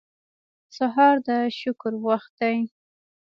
سهار د شکر وخت دی.